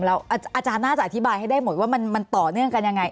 อาจารย์น่าจะอธิบายให้ได้หมดว่ามันต่อเนื่องกันยังไง